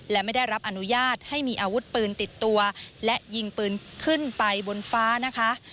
และไม่ได้รับอนุญาตให้มีอาวุธปืนติดตัวและยิงปืนขึ้นไปบนฟ้านะคะ